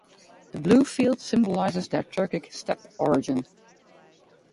The blue field symbolizes their Turkic steppe origin.